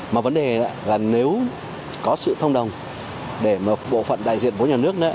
mà vấn đề là nếu có sự thông đồng để một bộ phận đại diện vốn nhà nước nữa